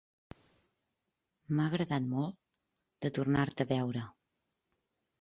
M'ha agradat molt de tornar-te a veure.